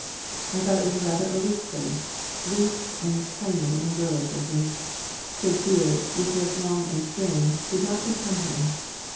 I thought it was rather a weak face weak and kindly and girlish looking. His beard, which was long and thin, did not become him.